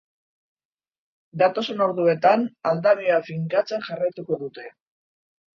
Datozen orduetan aldamioa finkatzen jarraituko dute.